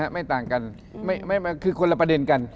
ไม่ต่างกันคือคนละประเด็นกัน